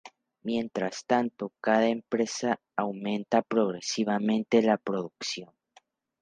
Mientras tanto, cada empresa aumenta agresivamente la producción.